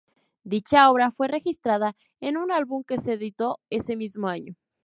Dicha obra fue registrada en un álbum que se editó ese mismo año.